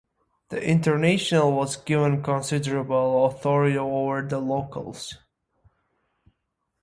The international was given considerable authority over the locals.